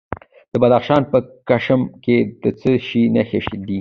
د بدخشان په کشم کې د څه شي نښې دي؟